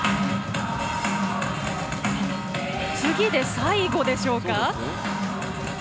最後でしょうか。